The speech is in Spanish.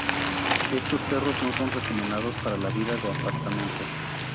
Estos perros no son recomendados para la vida de apartamento.